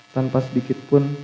tanpa sedikit pun